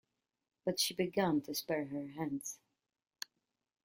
But she began to spare her hands.